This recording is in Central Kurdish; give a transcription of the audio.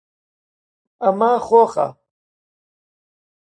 ئەمە خۆخە.